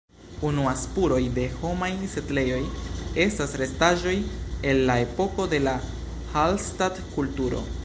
Unua spuroj de homaj setlejoj estas restaĵoj el la epoko de la Hallstatt-kulturo.